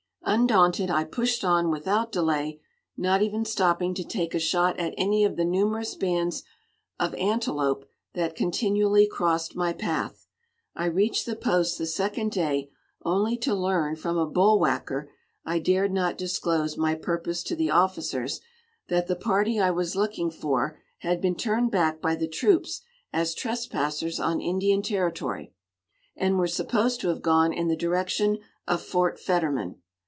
Undaunted, I pushed on without delay, not even stopping to take a shot at any of the numerous bands of antelope that continually crossed my path. I reached the post the second day, only to learn from a "bull whacker" I dared not disclose my purpose to the officers that the party I was looking for had been turned back by the troops as trespassers on Indian territory, and were supposed to have gone in the direction of Fort Fetterman.